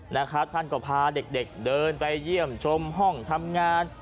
นะครับท่านก็พาเด็กเดินไปเยี่ยมชมห้องทำงาน